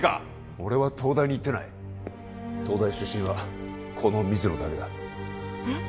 俺は東大に行ってない東大出身はこの水野だけだえっ！？